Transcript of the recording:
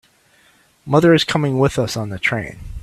Mother is coming with us on the train.